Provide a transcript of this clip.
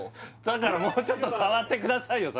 だからもうちょっと触ってくださいよ